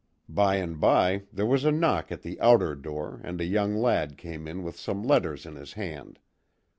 By and by there was a knock at the outer door and a young lad came in with some letters in his hand.